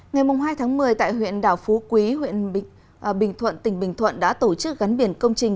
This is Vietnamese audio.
ngày hai tháng một mươi tại huyện đảo phú quý huyện bình thuận tỉnh bình thuận đã tổ chức gắn biển công trình